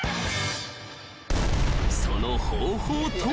［その方法とは］